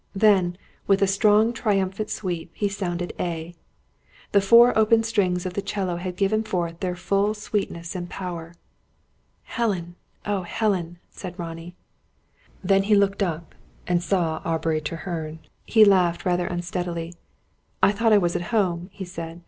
Then, with a strong triumphant sweep, he sounded A. The four open strings of the 'cello had given forth their full sweetness and power. "Helen, oh, Helen!" said Ronnie. Then he looked up, and saw Aubrey Treherne. He laughed, rather unsteadily. "I thought I was at home," he said.